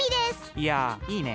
いやいいね。